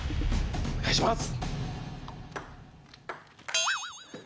お願いします！